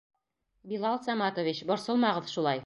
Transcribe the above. Билал Саматович, борсолмағыҙ шулай.